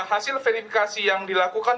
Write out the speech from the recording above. hasil verifikasi yang dilakukan